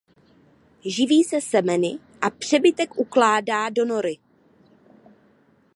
Živí se semeny a přebytek ukládá do nory.